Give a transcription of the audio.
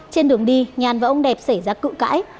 trên đường đi nhàn và ông đẹp xảy ra cự cãi